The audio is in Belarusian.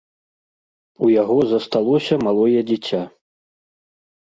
У яго засталося малое дзіця.